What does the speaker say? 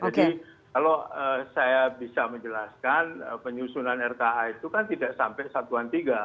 jadi kalau saya bisa menjelaskan penyusunan rka itu kan tidak sampai satu tiga